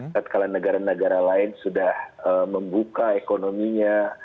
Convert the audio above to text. setelah negara negara lain sudah membuka ekonominya